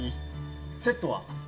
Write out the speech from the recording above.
セットは？